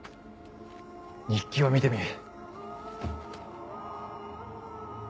日記を見てみぃ。